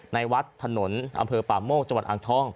ในวัดถนนอำเภอป่าโมกจังหวัดอ่างทอง